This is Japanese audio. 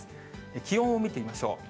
気温を見てみましょう。